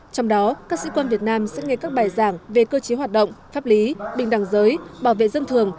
trong đó các sĩ quan việt nam sẽ nghe các bài giảng về cơ chế hoạt động pháp lý bình đẳng giới bảo vệ dân thường